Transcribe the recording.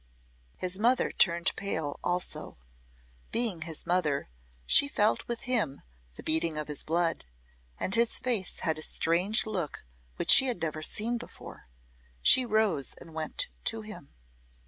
His mother turned pale also. Being his mother she felt with him the beating of his blood and his face had a strange look which she had never seen before. She rose and went to him.